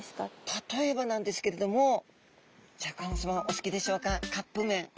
例えばなんですけれどもシャーク香音さまお好きでしょうかカップめん。